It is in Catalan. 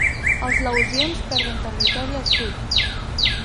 Els laosians perden territori al sud.